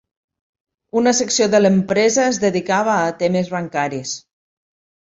Una secció de l'empresa es dedicava a temes bancaris.